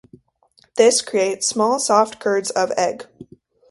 This creates small, soft curds of egg.